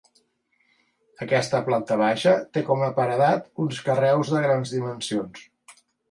Aquesta planta baixa té com a paredat uns carreus de grans dimensions.